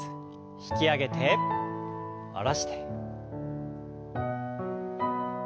引き上げて下ろして。